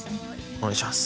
お願いします。